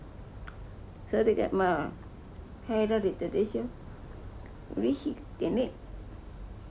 それがまあ入られたでしょうれしくてね。